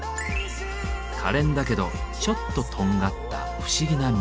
かれんだけどちょっととんがった不思議な魅力。